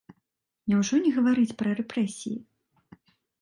Няўжо не гаварыць пра рэпрэсіі?